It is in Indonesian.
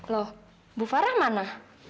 loh bu farah mana